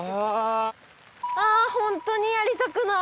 あぁホントにやりたくない！